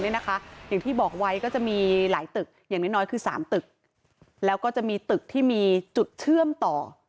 อย่างที่บอกไว้ก็จะมีหลายตึกอย่างน้อยคือ๓ตึกแล้วก็จะมีตึกที่มีจุดเชื่อมต่อ